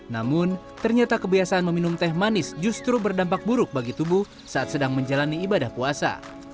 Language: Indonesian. namun ternyata kebiasaan meminum teh manis justru berdampak buruk bagi tubuh saat sedang menjalani ibadah puasa